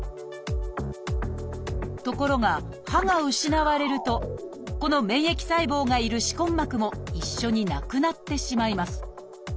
ところが歯が失われるとこの免疫細胞がいる歯根膜も一緒になくなってしまいます。